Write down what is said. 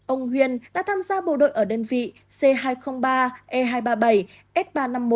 ông huyền đã tham gia bộ đội ở đơn vị c hai trăm linh ba e hai trăm ba mươi bảy s ba trăm năm mươi một